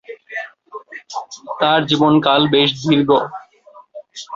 তার জীবনকাল বেশ দীর্ঘ।